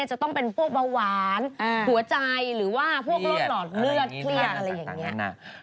จะต้องเป็นพวกเบาหวานหัวใจหรือว่าพวกโรคหลอดเลือดเครียดอะไรอย่างนี้